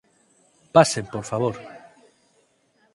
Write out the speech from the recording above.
_Pasen, por favor...